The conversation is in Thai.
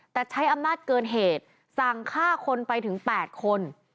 แต่ใช้อำนาจเกินเหตุสั่งฆ่าคนไปถึง๘คน